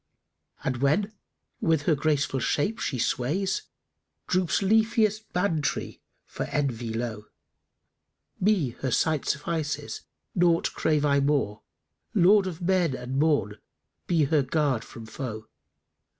And when with her graceful shape she sways, * Droops leafiest Bán tree[FN#289] for envy low: Me her sight suffices; naught crave I more: * Lord of Men and Morn, be her guard from foe!